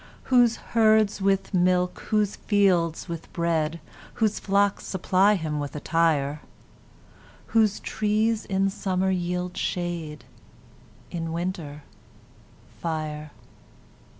Whose herds with milk, whose fields with bread, Whose flocks supply him with attire; Whose trees in summer yield shade, In winter, fire.